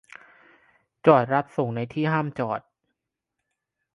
- จอดรับส่งในที่ห้ามจอด